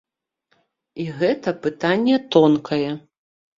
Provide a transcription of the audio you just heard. І гэта пытанне тонкае.